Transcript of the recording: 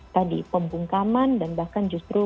tadi pembungkaman dan bahkan justru